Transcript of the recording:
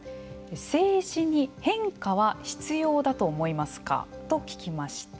政治に変化は必要だと思いますかと聞きました。